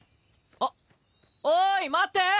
あっおい待って！